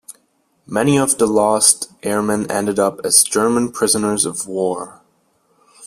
Many of the lost Airmen ended up as German Prisoners of War.